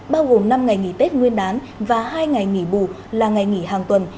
bao gồm năm ngày nghỉ tết nguyên đán và hai ngày nghỉ bù là ngày nghỉ hàng tuần